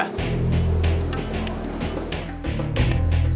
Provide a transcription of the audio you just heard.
kalau kamu mau cari partner baru